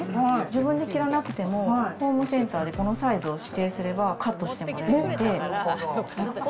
自分で切らなくてもホームセンターでこのサイズを指定すれば、カットしてもらえるので。